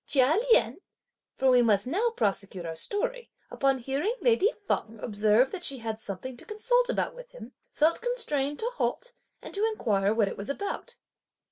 Chia Lien, for we must now prosecute our story, upon hearing lady Feng observe that she had something to consult about with him, felt constrained to halt and to inquire what it was about.